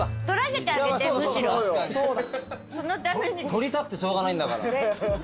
撮りたくてしょうがないんだから。